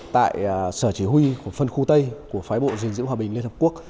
tại sở chỉ huy của phân khu tây của phái bộ dình giữ hòa bình liên hợp quốc